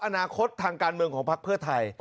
อนาคตทางการเมืองของพักเพื่อไทย